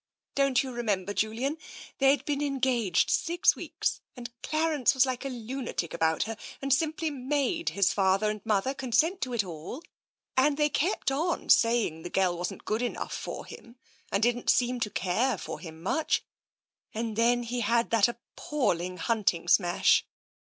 Don't you remember, Julian ? They'd been engaged six weeks, and Clarence was like a lunatic about her, and simply made his father and mother consent to it all, and they kept on saying the girl wasn't good enough for him, and didn't seem to care for him much. And then he had that appalling hunting smash."